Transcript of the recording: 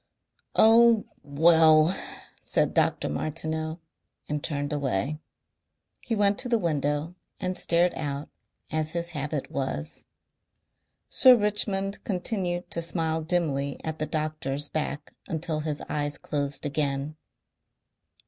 "Oh! WELL!" said Dr. Martineau and turned away. He went to the window and stared out as his habit was. Sir Richmond continued to smile dimly at the doctor's back until his eyes closed again.